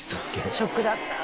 ショックだった。